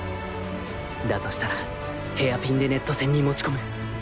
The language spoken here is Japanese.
だとしたらヘアピンでネット戦に持ち込む